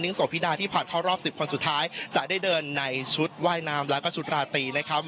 โสพิดาที่ผ่านเข้ารอบสิบคนสุดท้ายจะได้เดินในชุดว่ายน้ำแล้วก็ชุดราตรีนะครับ